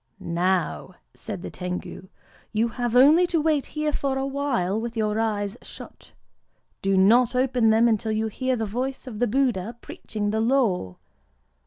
"Now," said the Tengu, "you have only to wait here for awhile, with your eyes shut. Do not open them until you hear the voice of the Buddha preaching the Law.